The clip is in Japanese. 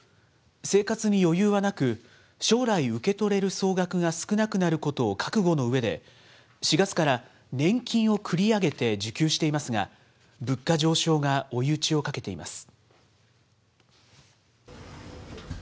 生活に余裕はなく、将来、受け取れる総額が少なくなることを覚悟のうえで、４月から年金を繰り上げて受給していますが、物価上昇が追い打ちをかけています。